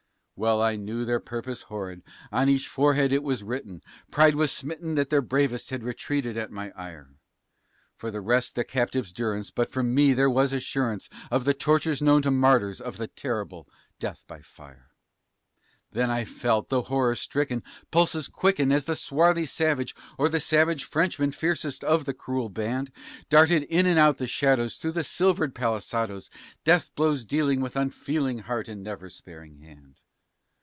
Well I knew their purpose horrid, on each forehead it was written Pride was smitten that their bravest had retreated at my ire; For the rest the captive's durance, but for me there was assurance Of the tortures known to martyrs of the terrible death by fire. Then I felt, though horror stricken, pulses quicken as the swarthy Savage, or the savage Frenchman, fiercest of the cruel band, Darted in and out the shadows, through the shivered palisadoes, Death blows dealing with unfeeling heart and never sparing hand.